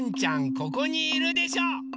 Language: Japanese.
ここにいるでしょ！